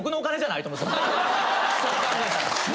そう考えたら。